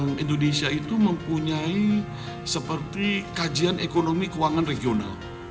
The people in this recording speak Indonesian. bank indonesia itu mempunyai seperti kajian ekonomi keuangan regional